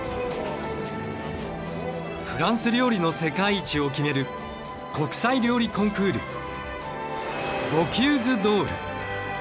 フランス料理の世界一を決める国際料理コンクール